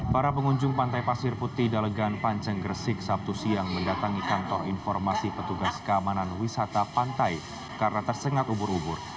para pengunjung pantai pasir putih dalegan panceng gresik sabtu siang mendatangi kantor informasi petugas keamanan wisata pantai karena tersengat ubur ubur